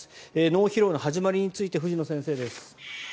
脳疲労の始まりについて藤野先生です。